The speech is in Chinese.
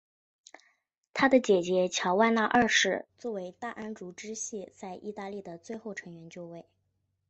他的姐姐乔万娜二世作为大安茹支系在意大利的最后成员继位。